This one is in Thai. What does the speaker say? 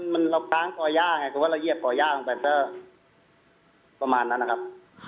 มันเราค้างก่อย่าไงคือว่าเราเหยียบก่อย่าลงไปก็ประมาณนั้นนะครับ